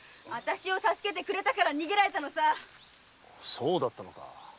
そうだったのか。